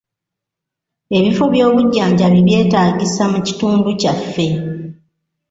Ebifo by'obujjanjabi byetaagisa mu kitundu kyaffe.